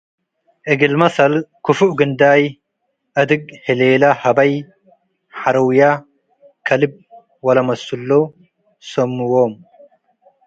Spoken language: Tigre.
እግል መሰል፣ ክፉእ፡ ግንዳይ፣ አድግ፤፣ ህሌለ፡ ሀበይ፡ ሐርውየ፣፡ ከልብ ወለመስሉ ሰምዎም ።